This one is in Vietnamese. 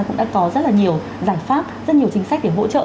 cũng đã có rất là nhiều giải pháp rất nhiều chính sách để hỗ trợ